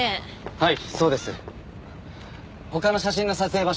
はい。